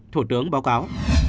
thủ tướng báo cáo